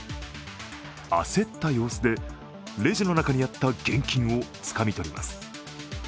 焦った様子でレジの中にあった現金をつかみ取ります。